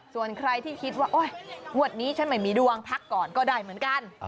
ส่วนใครที่คิดว่าโอ๊ยงวดนี้ฉันไม่มีดวงพักก่อนก็ได้เหมือนกัน